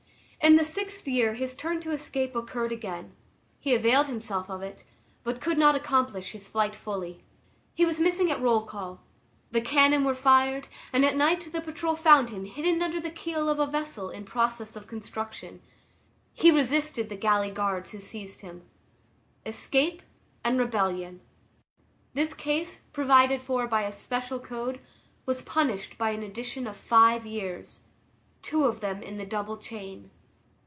In the sixth year his turn to escape occurred again; he availed himself of it, but could not accomplish his flight fully. He was missing at roll call. The cannon were fired, and at night the patrol found him hidden under the keel of a vessel in process of construction; he resisted the galley guards who seized him. Escape and rebellion. This case, provided for by a special code, was punished by an addition of five years, two of them in the double chain.